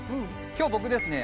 今日僕ですね